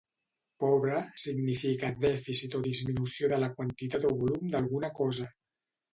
"Pobre" significa dèficit o disminució de la quantitat o volum d'alguna cosa.